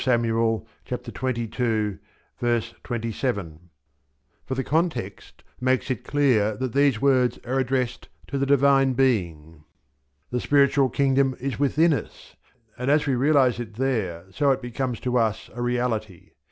Sam. xxii., 27), for the context makes it clear that these words are addressed to the Divine Being. The spiritual kingdom is within us, and as we realize it there so it becomes to us a reality.